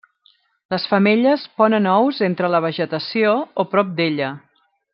Les femelles ponen ous entre la vegetació o prop d'ella.